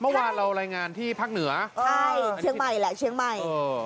เมื่อวานเรารายงานที่ภาคเหนือใช่เชียงใหม่แหละเชียงใหม่